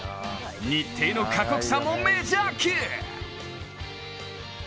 日程の過酷さもメジャー級。